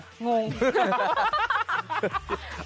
งง